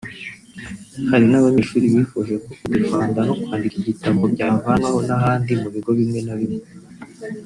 Hari n’abanyeshuri bifuje ko kudefanda no kwandika igitabo byavanwaho n’ahandi mu bigo bimwe na bimwe